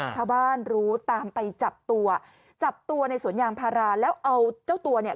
ชาวบ้านรู้ตามไปจับตัวจับตัวในสวนยางพาราแล้วเอาเจ้าตัวเนี่ย